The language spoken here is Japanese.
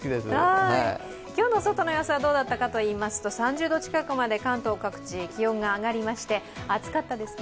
今日の外の様子はどうだったかといいますと３０度近くまで関東各地、気温が上がりまして暑かったですね。